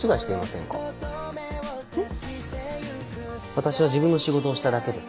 私は自分の仕事をしただけです。